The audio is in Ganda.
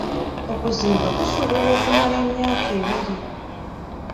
Okuzimba kusuubirwa okumala myaka ebiri.